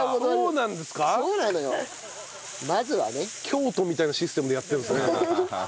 京都みたいなシステムでやってるんですね。